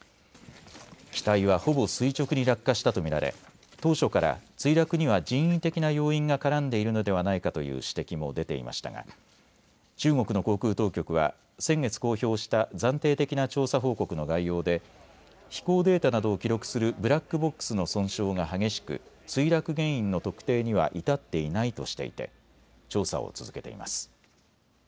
機体はほぼ垂直に落下したと見られ当初から墜落には人為的な要因が絡んでいるのではないかという指摘も出ていましたが中国の航空当局は先月公表した暫定的な調査報告の概要で飛行データなどを記録するブラックボックスの損傷が激しく墜落原因の特定には至っていないとしていて調査を続けています。